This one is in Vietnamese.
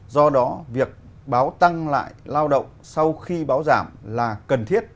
do đó việc báo tăng lại lao động sau khi báo giảm là cần thiết